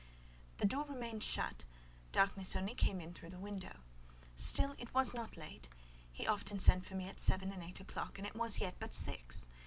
The door remained shut; darkness only came in through the window. Still it was not late; he often sent for me at seven and eight o'clock, and it was yet but six.